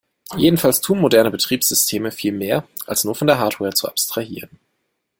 Jedenfalls tun moderne Betriebssysteme viel mehr, als nur von der Hardware zu abstrahieren.